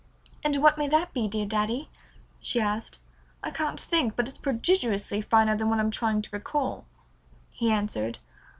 "And what may that be, dear Daddy?" she asked. "I can't think, but it's prodigiously finer than what I'm trying to recall," he answered.